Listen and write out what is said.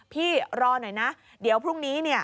พี่รอหน่อยนะเดี๋ยวพรุ่งนี้